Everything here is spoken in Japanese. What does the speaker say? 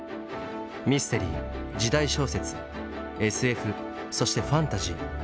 ミステリー時代小説ＳＦそしてファンタジー